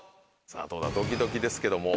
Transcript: さぁどうだドキドキですけども。